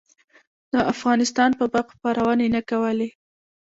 د افغانستان په باب خپرونې نه کولې.